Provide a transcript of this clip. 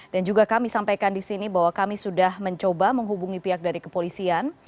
dan juga kami sampaikan di sini bahwa kami sudah mencoba menghubungi pihak dari kepolisian